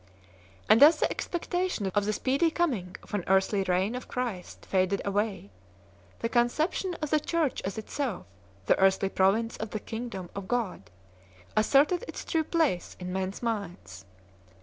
And as the expectation of the speedy coming of an earthly reign of Christ faded away, the conception of the Church as itself the earthly province of the Kingdom of God asserted its true place in men s minds.